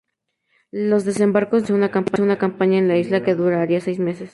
Los desembarcos dieron comienzo a una campaña en la isla que duraría seis meses.